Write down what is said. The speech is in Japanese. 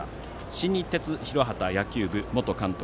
新日鉄広畑野球部元監督